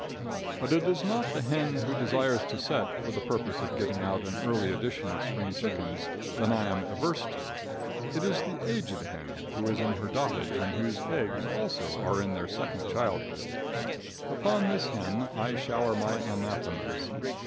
But it is not the hen who desires to set for the purpose of getting out an early edition of spring chickens that I am averse to. It is the aged hen, who is in her dotage, and whose eggs, also, are in their second childhood. Upon this hen I shower my anathemas.